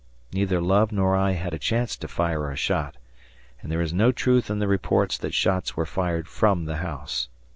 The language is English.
Neither Love nor I had a chance to fire a shot, and there is no truth in the reports that shots were fired from the house.